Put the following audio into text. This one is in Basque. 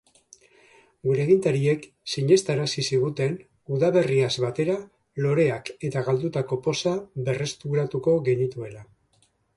Gure agintariek sinestarazi ziguten udaberriaz batera loreak eta galdutako poza berreskuratuko genituela.